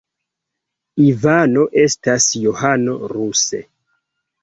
Ivano estas Johano ruse.